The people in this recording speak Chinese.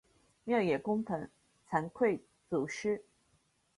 庙也供俸惭愧祖师。